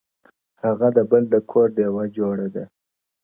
• هغه د بل د كور ډېوه جوړه ده؛